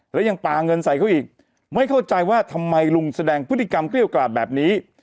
แล้วยังปลาเงินใส่เขาอีกไม่เข้าใจว่าทำไมลุงแสดงพฤติกรรมเกลี้ยวกราดแบบนี้